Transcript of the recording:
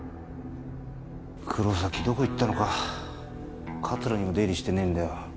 黒崎どこ行ったのか「かつら」にも出入りしてねえんだよ